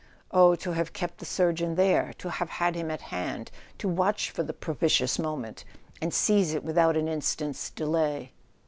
Oh, to have kept the surgeon there—to have had him at hand to watch for the propitious moment and seize it without an instant's delay!